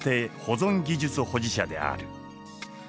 保存技術保持者である。